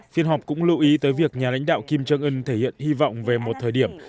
phiên họp cũng lưu ý tới việc nhà lãnh đạo kim jong un thể hiện hy vọng về một thời điểm